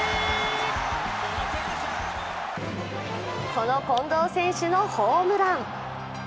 この近藤選手のホームラン。